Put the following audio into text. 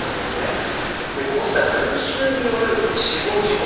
こうした群衆による死亡事故